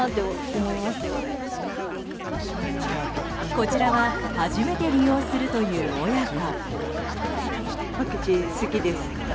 こちらは初めて利用するという親子。